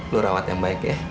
lu rawat yang baik ya